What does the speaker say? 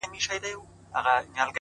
سیاه پوسي ده خاوند یې ورک دی’